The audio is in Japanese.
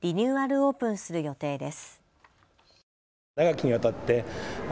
オープンする予定です。